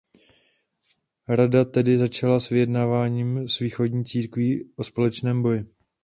Rada tedy začala s vyjednáváním s východní církví o společném boji.